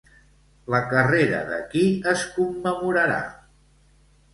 La carrera de qui es commemorarà?